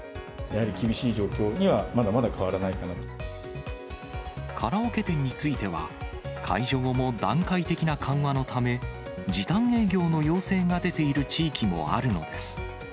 厳しい状況には、まだまだ変カラオケ店については、解除後も段階的な緩和のため、時短営業の要請が出ている地域もあるのです。